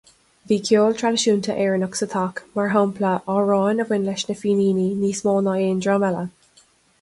Bhí ceol traidisiúnta Éireannach sa teach, mar shampla, amhráin a bhain leis na Fíníní níos mó ná aon dream eile.